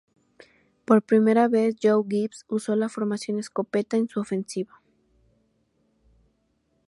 Por primera vez Joe Gibbs usó la formación escopeta en su ofensiva.